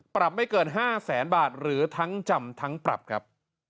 ปรับไม่เกิน๕แสนบาทหรือทั้งจำทั้งปรับครับ